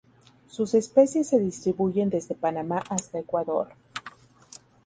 Sus especies se distribuyen desde Panamá hasta Ecuador.